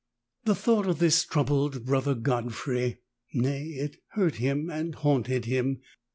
23 The thought of this troubled Brother Godfrey; nay, it hurt him and haunted him.